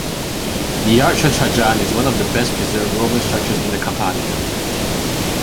The Arch of Trajan is one of the best-preserved Roman structures in the Campania.